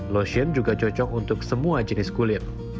lotion juga cocok untuk semua jenis kulit